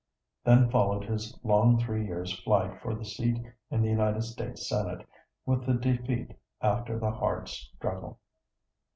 Then followed his long three years' fight for the seat in the United States Senate, with the defeat after the hard struggle.